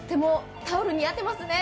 タオル似合ってますね。